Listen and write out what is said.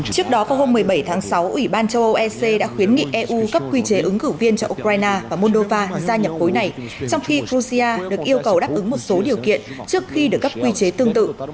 trước đó vào hôm một mươi bảy tháng sáu ủy ban châu âu ec đã khuyến nghị eu cấp quy chế ứng cử viên cho ukraine và moldova gia nhập khối này trong khi gozhia được yêu cầu đáp ứng một số điều kiện trước khi được cấp quy chế tương tự